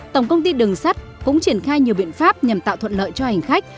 tổng công ty đường sắt cũng triển khai nhiều biện pháp nhằm tạo thuận lợi cho hành khách